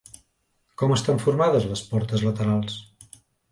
Com estan formades les portes laterals?